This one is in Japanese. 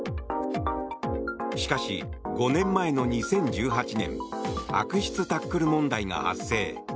しかし、５年前の２０１８年悪質タックル問題が発生。